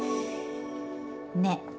・ねえ